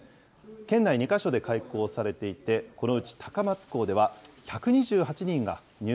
県内２か所で開講されていて、このうち高松校では、１２８人が入